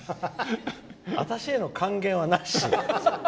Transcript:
私への還元はなし？